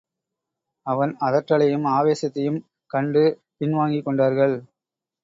அவன் அதட்டலையும், ஆவேசத்தையும் கண்டு பின் வாங்கிக் கொண்டார்கள்.